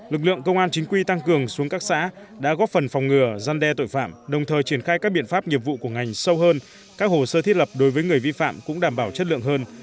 lực lượng công an chính quy tăng cường xuống các xã đã góp phần phòng ngừa gian đe tội phạm đồng thời triển khai các biện pháp nghiệp vụ của ngành sâu hơn các hồ sơ thiết lập đối với người vi phạm cũng đảm bảo chất lượng hơn